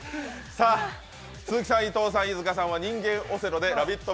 鈴木さん、伊藤さん飯塚さんは人間オセロで「ラヴィット！」